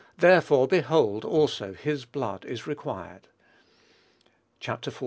therefore, behold, also, his blood is required." (Chap. xlii.